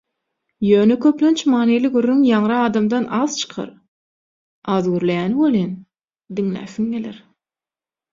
Ýöne köplenç manyly gürrüň ýaňra adamdan az çykar, az gürleýäni welin, diňläsiň geler.